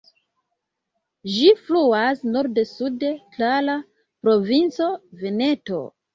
Ĝi fluas norde-sude tra la provinco Veneto.